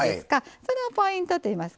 それがポイントといいますか。